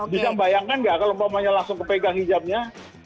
bisa bayangkan nggak kalau mamanya langsung kepegang hijabnya